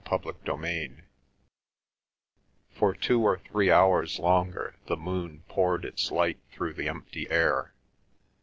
CHAPTER XXVI For two or three hours longer the moon poured its light through the empty air.